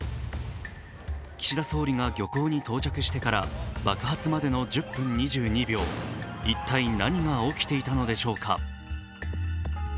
岸田総理が漁港に到着してから爆発までの１０分２２秒、一体何が起きていたのでしょうか。